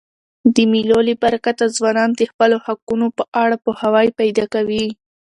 د مېلو له برکته ځوانان د خپلو حقونو په اړه پوهاوی پیدا کوي.